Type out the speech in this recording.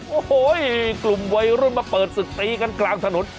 โอ้โฮคลุมวัยรุ่นมาเปิดสื่อตีกรางถนน